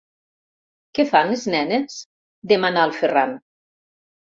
Què fan les nenes? –demanà el Ferran–.